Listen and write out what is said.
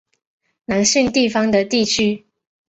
南信地方的地区。